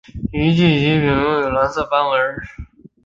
尾鳍及尾柄部有蓝色斑纹。